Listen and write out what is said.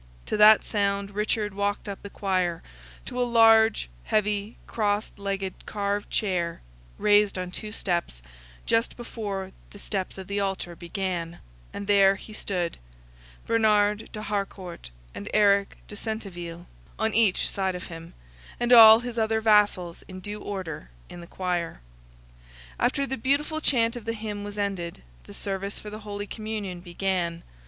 To that sound, Richard walked up the Choir, to a large, heavy, crossed legged, carved chair, raised on two steps, just before the steps of the Altar began, and there he stood, Bernard de Harcourt and Eric de Centeville on each side of him, and all his other vassals in due order, in the Choir. After the beautiful chant of the hymn was ended, the service for the Holy Communion began.